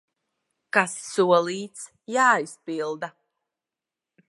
Kas solīts, jāizpilda!